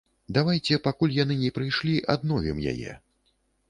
Давайце, пакуль яны не прыйшлі, адновім яе.